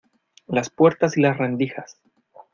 las puertas y las rendijas.